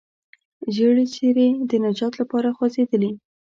ژېړې څېرې د نجات لپاره خوځېدلې.